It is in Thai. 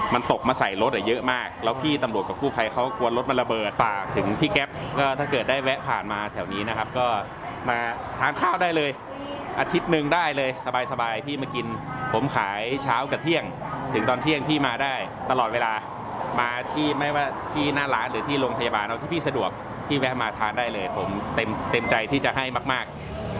มีความรู้สึกว่ามีความรู้สึกว่ามีความรู้สึกว่ามีความรู้สึกว่ามีความรู้สึกว่ามีความรู้สึกว่ามีความรู้สึกว่ามีความรู้สึกว่ามีความรู้สึกว่ามีความรู้สึกว่ามีความรู้สึกว่ามีความรู้สึกว่ามีความรู้สึกว่ามีความรู้สึกว่ามีความรู้สึกว่ามีความรู้สึกว